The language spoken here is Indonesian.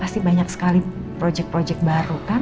pasti banyak sekali projek project baru kan